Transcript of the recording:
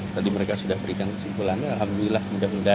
tadi mereka sudah berikan kesimpulannya alhamdulillah mudah mudahan